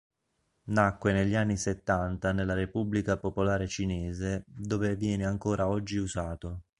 Nacque negli anni settanta nella Repubblica Popolare Cinese, dove viene ancora oggi usato.